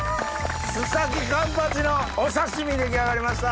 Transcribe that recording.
須崎勘八のお刺身出来上がりました。